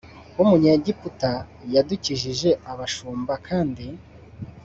w umunyegiputa yadukijije abashumba kandi